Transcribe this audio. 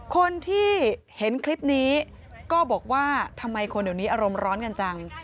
คนที่เห็นคลิปนี้ก็บอกว่าทำไมคนเดี๋ยวนี้อารมณ์ร้อนกันจัง